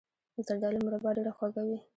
د زردالو مربا ډیره خوږه وي.